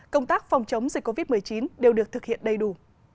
công tác phòng chống dịch covid một mươi chín đều được thực hiện đầy đủ